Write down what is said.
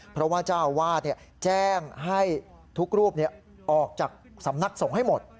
เพราะว่าเจ้าอาวาสแจ้งให้ทุกรูปออกจากสำนักสงฆ์ให้หมด